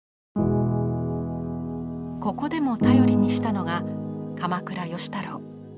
ここでも頼りにしたのが鎌倉芳太郎。